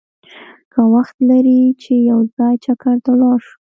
که وخت لرې چې یو ځای چکر ته لاړ شو!